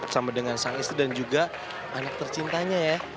sama dengan sang istri dan juga anak tercintanya ya